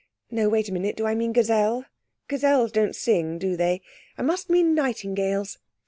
No, wait a minute; do I mean gazelles? Gazelles don't sing, do they? I must mean nightingales.